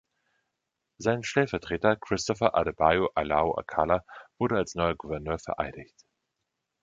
Sein Stellvertreter, Christopher Adebayo Alao-Akala wurde als neuer Gouverneur vereidigt.